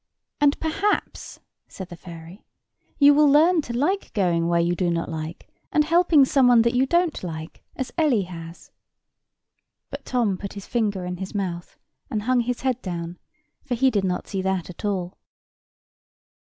"And perhaps," said the fairy, "you will learn to like going where you don't like, and helping some one that you don't like, as Ellie has." But Tom put his finger in his mouth, and hung his head down; for he did not see that at all.